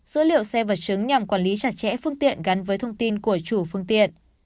dữ liệu xe vật chứng nhằm quản lý chặt chẽ phương tiện gắn với thông tin của chủ phương tiện